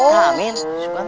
kok gak ada orangnya i